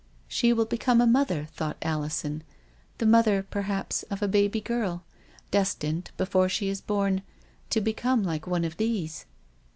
"She will become a mother, 1 ' thought Alison, " the mother, perhaps, of a baby girl, destined, before she is born, to become like one of those